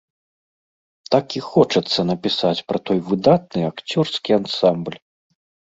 Так і хочацца напісаць пра той выдатны акцёрскі ансамбль.